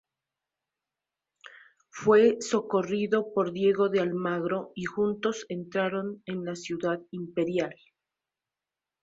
Fue socorrido por Diego de Almagro y juntos entraron en la ciudad imperial.